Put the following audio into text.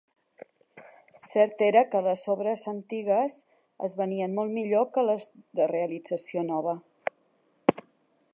Cert era que les obres antigues es venien molt millor que les de realització nova.